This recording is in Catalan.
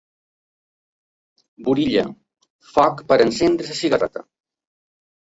Burilla, foc per a encendre la cigarreta.